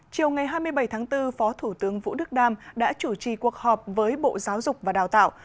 chiều ngày hai mươi bảy tháng bốn phó thủ tướng vũ đức đam đã chủ trì cuộc họp với bộ giáo dục và đào tạo